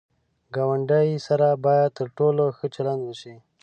ګاونډي سره باید تر ټولو ښه چلند وشي